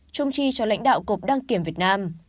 trung chi cho lãnh đạo cục đăng kiểm việt nam